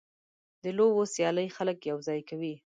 د لوبو سیالۍ خلک یوځای کوي.